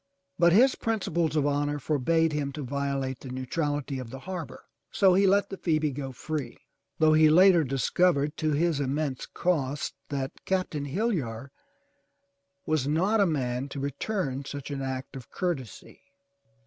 But his principles of honor forbade him to violate the neutral ity of the harbor, so he let the Phoebe go free, though he later dis covered to his immense cost that Captain Hillyar was not a man to return such an act of courtesy.